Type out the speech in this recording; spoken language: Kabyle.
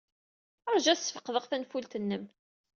Ṛju ad sfeqdeɣ tanfult-nnem.